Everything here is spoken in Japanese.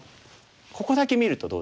ここだけ見るとどうですか？